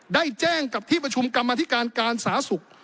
ได้แจ้งกับที่ประชุมกรรมธิการการสาธารณสุข